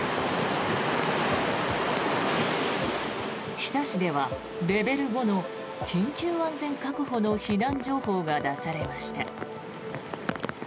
日田市ではレベル５の緊急安全確保の避難情報が出されました。